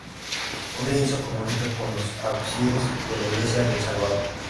Un lienzo comunica con los ábsides de la iglesia de El Salvador.